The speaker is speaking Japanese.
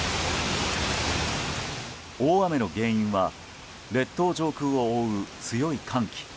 大雨の原因は列島上空を覆う強い寒気。